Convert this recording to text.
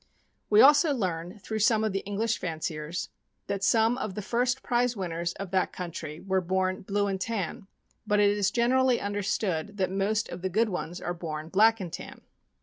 We also learn, through some of the English fanciers, that some of the first prize winners of that country were born blue and tan, but it is generally understood that most of the good ones are born black and tan.